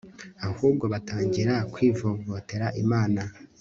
ahubwo batangira kwivovotera Imana